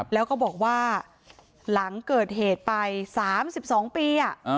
แล้วก็บอกว่าหลังเกิดเหตุไป๓๒ปี